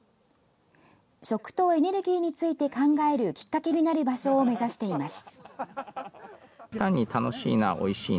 食とエネルギーについて考えるきっかけになる場所を目指しています。